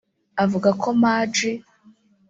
avuga ko Maj